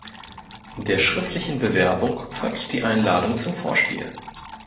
Der schriftlichen Bewerbung folgt die Einladung zum Vorspiel.